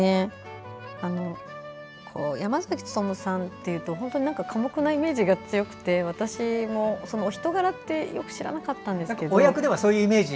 山崎努さんっていうと本当に寡黙なイメージが強くて私お人柄ってよく知らなかったんですけど。